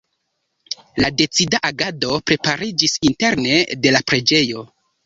La decida agado prepariĝis interne de la preĝejo.